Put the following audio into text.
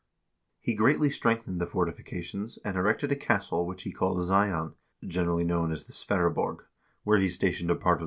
He greatly strengthened the fortifications, and erected a castle which he called "Zion," generally known as the "Sverreborg," where he stationed a part of the garrison.